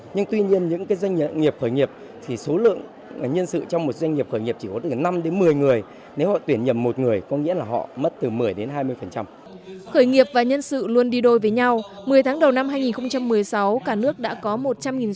nhưng tuy nhiên những doanh nghiệp khởi nghiệp thì số lượng nhân sự trong một doanh nghiệp khởi nghiệp chỉ có được năm một mươi người